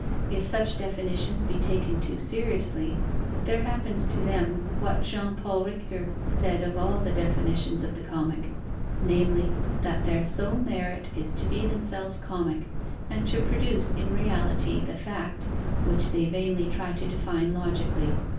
If such definitions be taken too seriously, there happens to them what Jean Paul Richter said of all the definitions of the comic: namely, that their sole merit is to be themselves comic and to produce, in reality, the fact, which they vainly try to define logically.